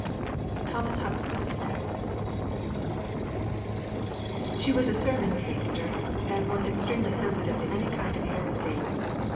XI THOMAS HUXLEY'S TEXT I She was a sermon taster and was extremely sensitive to any kind of heresy.